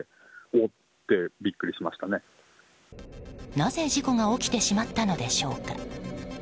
なぜ、事故が起きてしまったのでしょうか。